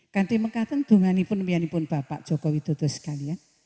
kan temen temen dongani pun mihani pun bapak jokowi dutuh sekalian